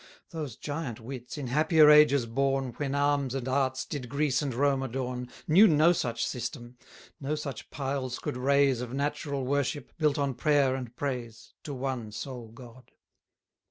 Those giant wits, in happier ages born, 80 When arms and arts did Greece and Rome adorn, Knew no such system: no such piles could raise Of natural worship, built on prayer and praise, To one sole God.